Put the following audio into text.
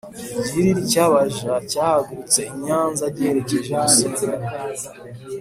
igihiriri ry’abaja cyahagurutse i Nyanza giherekeje Musinga